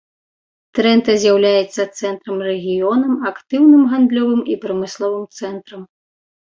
Трэнта з'яўляецца цэнтрам рэгіёнам актыўным гандлёвым і прамысловым цэнтрам.